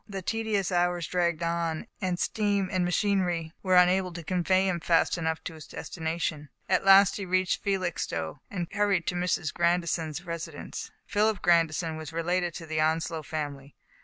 The tedious hours dragged on, and steam and machinery were unable to convey him fast enough to his destination. At last he reached Felixstowe, and hurried to Mrs. Grandison's resi dence. Philip Grand ison was related to the On slow family.